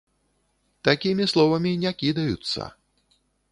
Такімі словамі не кідаюцца.